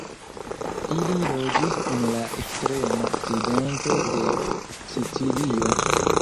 Ili loĝis en la ekstrema okcidento de Sicilio.